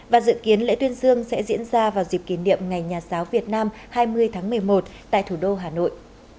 và dự kiến lễ tuyên dương sẽ diễn ra vào dịp kỷ niệm ngày nhà giáo việt nam hai mươi tháng một mươi một tại thủ đô hà nội